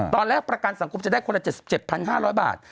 ประกันสังคมจะได้คนละ๗๗๕๐๐บาท